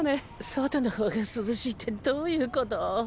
外のほうが涼しいってどういうこと？